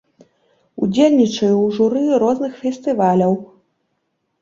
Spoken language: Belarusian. Удзельнічаю ў журы розных фестываляў.